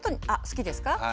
あ好きですか？